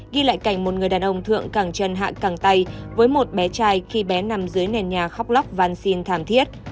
ghi lại cảnh một người đàn ông thượng càng chân hạ càng tay với một bé trai khi bé nằm dưới nền nhà khóc lóc vàn xin thảm thiết